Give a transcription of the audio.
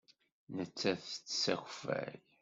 Nettat tettess akeffay.